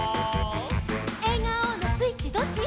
「えがおのスイッチどっち？」